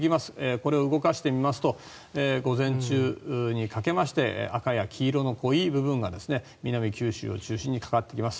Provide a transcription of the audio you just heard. これを動かしてみますと午前中にかけまして赤や黄色の濃い部分が南九州を中心にかかってきます。